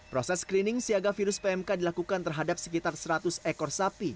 proses screening siaga virus pmk dilakukan terhadap sekitar seratus ekor sapi